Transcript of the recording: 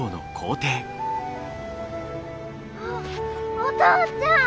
あお父ちゃん！